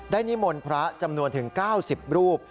นิมนต์พระจำนวนถึง๙๐รูป